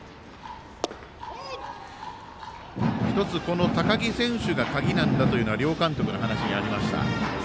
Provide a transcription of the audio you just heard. １つ、この高木選手が鍵なんだというのは両監督の話にありました。